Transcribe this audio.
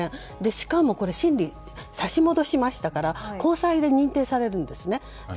しかも審理差し戻しましたから高裁で認定されるんです。